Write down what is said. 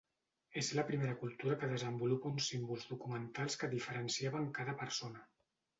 És la primera cultura que desenvolupa uns símbols documentals que diferenciaven cada persona.